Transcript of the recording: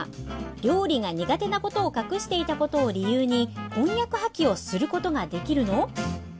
料理が苦手なことを隠していたことを理由に婚約破棄をすることができるの？